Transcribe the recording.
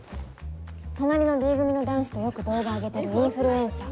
隣のＤ組の男子とよく動画あげてるインフルエンサー。